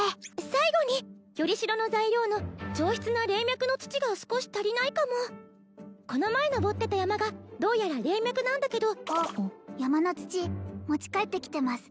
最後によりしろの材料の上質な霊脈の土が少し足りないかもこの前登ってた山がどうやら霊脈なんだけどあっ山の土持ち帰ってきてます